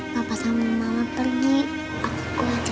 papa sama mama pergi aku gak terima lagi om